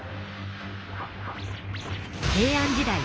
平安時代